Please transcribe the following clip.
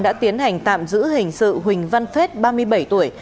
đã tiến hành tạm giữ hình sự huỳnh văn phép ba mươi bảy tuổi